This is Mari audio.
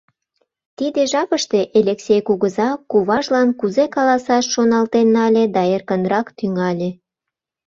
Тиде жапыште Элексей кугыза куважлан кузе каласаш шоналтен нале да эркынрак тӱҥале: